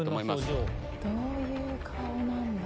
どういう顔なんだ？